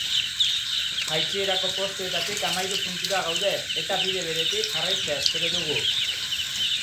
Jaitsierako postuetatik hamahiru puntura gaude eta bide beretik jarraitzea espero dugu.